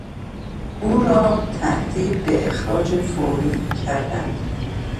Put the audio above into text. او را تهدید به اخراج فوری کردند.